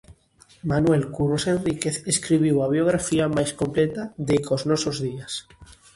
Manuel Curros Enríquez escribiu a biografía máis completa deica os nosos días.